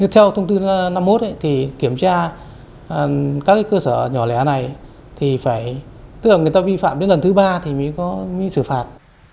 theo thông tin năm mốt thì kiểm tra các cơ sở nhỏ lẻ này tức là người ta vi phạm đến lần thứ ba thì mới xử phạt